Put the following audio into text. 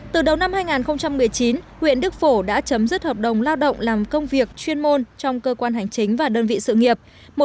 từ đầu năm hai nghìn một mươi chín huyện đức phổ đã chấm dứt hợp đồng lao động làm công việc chuyên môn trong cơ quan hành chính và đơn vị sự nghiệp